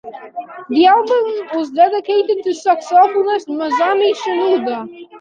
The album was dedicated to saxophonist Masami Shinoda.